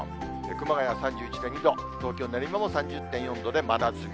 熊谷３１．２度、東京・練馬も３０．４度で、真夏日。